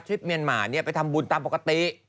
ทริปเมียนมาเนี่ยไปทำบุญตามปกติ